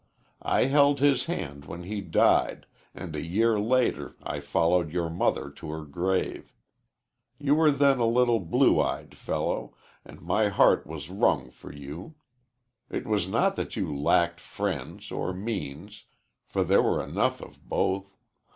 I held his hand when he died, and a year later I followed your mother to her grave. You were then a little blue eyed fellow, and my heart was wrung for you. It was not that you lacked friends, or means, for there were enough of both.